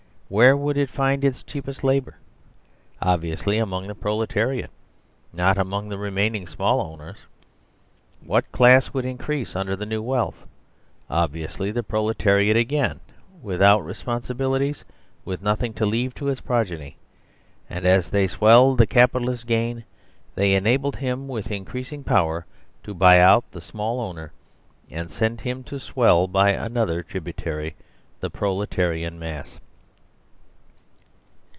Where would it find its cheapest labour ? Obviously among the proletariat not among the remaining small owners. What class would increase under the new wealth ? Obviously the proletariat again, with out responsibilities, with nothing to leave to its pro geny ; and as they swelled the capitalist's gain, they enabled him with increasing power to buy out the small owner and send him to swell by another tribu tary the proletarian mass.